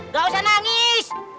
gak usah nangis